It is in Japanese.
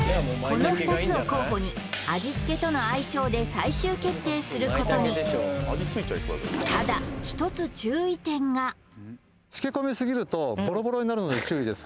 この２つを候補に味付けとの相性で最終決定することにただ１つ注意点がので注意です